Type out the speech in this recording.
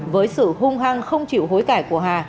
với sự hung hăng không chịu hối cải của hà